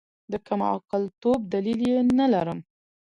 د کمعقلتوب دلیل یې نلرم.